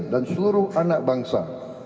dan seluruh anak bangsa